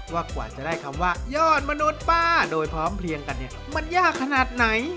กว่าจะได้คำว่ายอดมนุษย์ป้าโดยพร้อมเพลียงกันเนี่ยมันยากขนาดไหน